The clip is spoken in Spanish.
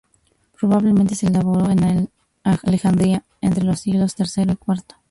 Probablemente se elaboró en Alejandría, entre los siglos tercero y cuarto.